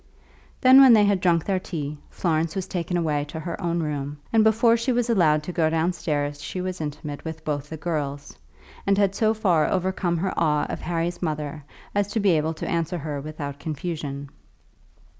Then, when they had drunk their tea, Florence was taken away to her own room, and before she was allowed to go downstairs she was intimate with both the girls, and had so far overcome her awe of Harry's mother as to be able to answer her without confusion.